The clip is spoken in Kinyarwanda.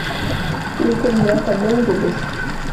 Yikundira akabenzi gusa